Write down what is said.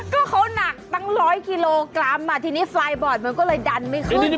ก็เขาหนักตั้งร้อยกิโลกรัมทีนี้ไฟล์บอร์ดมันก็เลยดันไม่ขึ้น